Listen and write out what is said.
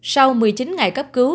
sau một mươi chín ngày cấp cứu